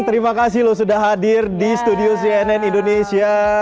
terima kasih loh sudah hadir di studio cnn indonesia